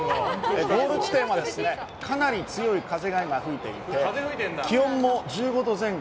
ゴール地点はかなり強い風が吹いていて気温も１５度前後。